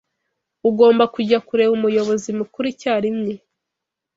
Ugomba kujya kureba umuyobozi mukuru icyarimwe.